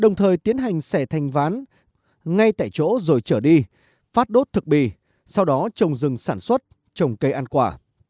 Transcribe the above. đồng thời tiến hành xẻ thành ván ngay tại chỗ rồi trở đi phát đốt thực bì sau đó trồng rừng sản xuất trồng cây ăn quả